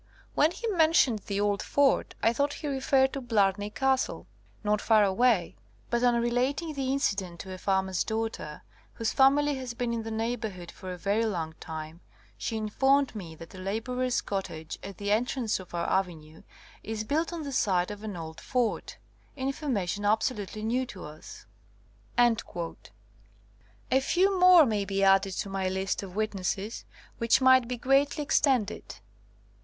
When he mentioned the old fort, I thought he re ferred to Blarney Castle, not far away, but on relating the incident to a farmer ^s daugh ter, whose family has been in the neighbour hood for a very long time, she informed me that a labourer's cottage at the entrance to 164 SOME SUBSEQUENT CASES our avenue is built on the site of an old fort, information absolutely new to us." A few more may be added to my list of witnesses, which might be greatly extended.